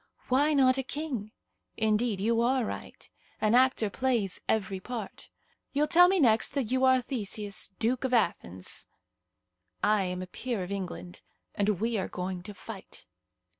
"Why not a king? Indeed, you are right. An actor plays every part. You'll tell me next that you are Theseus, Duke of Athens." "I am a peer of England, and we are going to fight."